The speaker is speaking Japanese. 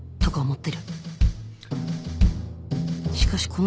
って。